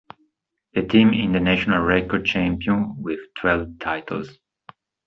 The team is the national record champion with twelve titles.